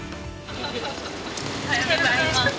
おはようございます。